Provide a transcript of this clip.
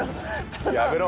やめろ！